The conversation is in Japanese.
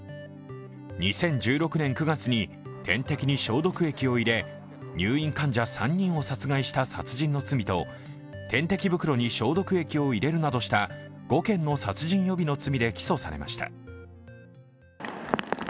２０１６年９月に点滴に消毒液を入れ、入院患者３人を殺害した殺人の罪と点滴袋に消毒液を入れるなどした５件の殺人予備の罪で起訴されました。